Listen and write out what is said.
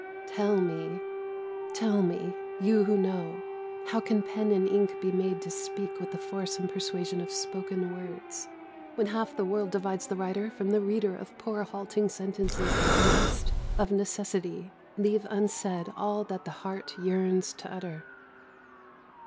Tell me, tell me, you who know, how can pen and ink be made to speak with the force and persuasion of spoken words, when half the world divides the writer from the reader of poor halting sentences that must, of necessity, leave unsaid all that the heart yearns to utter?